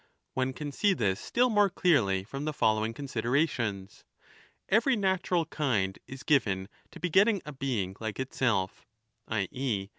lo 1187^ 10 One can see this still more clearly from the following 30 considerations. Every natural kind is given to begetting a being like itself, i. e.